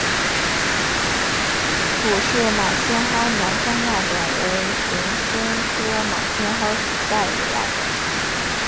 普氏马先蒿南方亚种为玄参科马先蒿属下的一个亚种。